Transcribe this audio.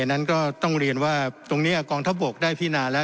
นั้นก็ต้องเรียนว่าตรงนี้กองทัพบกได้พินาแล้ว